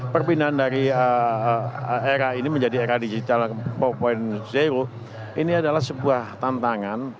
perpindahan dari era ini menjadi era digital empat ini adalah sebuah tantangan